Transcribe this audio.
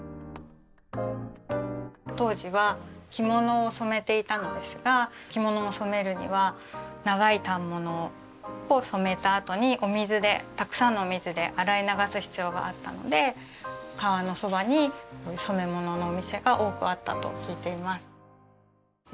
当時は着物を染めていたのですが着物を染めるには長い反物を染めたあとにお水でたくさんのお水で洗い流す必要があったので川のそばに染め物のお店が多くあったと聞いています。